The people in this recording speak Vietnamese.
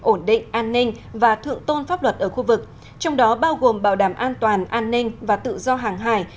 ổn định an ninh và thượng tôn pháp luật ở khu vực trong đó bao gồm bảo đảm an toàn an ninh và tự do hàng hải